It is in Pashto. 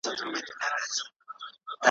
له مكتبه مي رهي كړله قمار ته ,